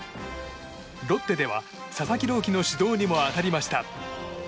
ロッテでは佐々木朗希の指導にも当たりました。